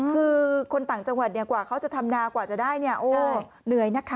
คือคนต่างจังหวัดเนี่ยกว่าเขาจะทำนากว่าจะได้เนี่ยโอ้เหนื่อยนะคะ